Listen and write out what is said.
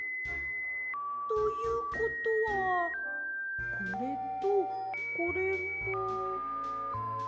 ということはこれとこれも？